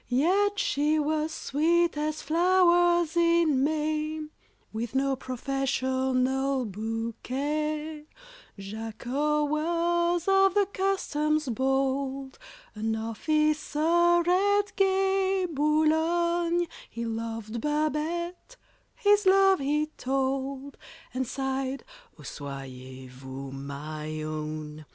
Yet she was sweet as flowers in May, With no professional bouquet. JACOT was, of the Customs bold, An officer, at gay Boulogne, He loved BABETTE—his love he told, And sighed, "Oh, soyez vous my own!"